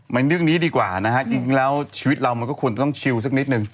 เรื่องนี้ดีกว่านะฮะจริงแล้วชีวิตเรามันก็ควรจะต้องชิวสักนิดนึง